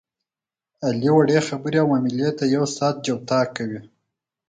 علي وړې خبرې او معاملې ته یو ساعت طاق او جفت کوي.